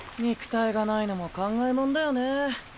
肉体がないのも考えもんだよね。